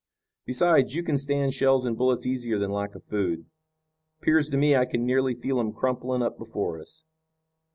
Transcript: Besides, you can stand shells and bullets easier than lack of food. 'Pears to me I can nearly feel 'em crumpling up before us."